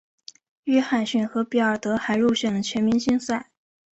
约翰逊和比尔德还入选了全明星赛。